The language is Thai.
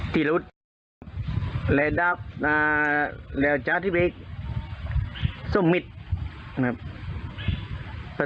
ที่หลุดและดาบอ่าแล้วจ้าที่เป็นสมมิตรนะครับ